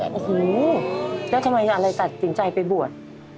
แล้วทำไมอะไรตัดจิตใจไปบวชแล้วทำอะไรตัดจิตใจไปบวช